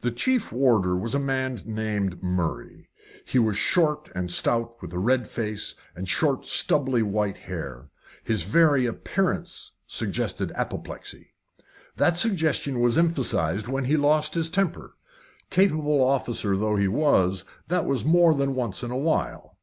The chief warder was a man named Murray. He was short and stout, with a red face, and short, stubbly white hair his very appearance suggested apoplexy. That suggestion was emphasised when he lost his temper capable officer though he was, that was more than once in a while.